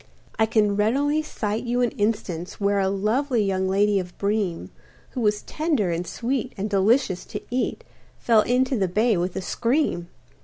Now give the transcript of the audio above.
I can readily cite you an instance Where a lovely young lady of Breem, Who was tender and sweet and delicious to eat, Fell into the bay with a scream.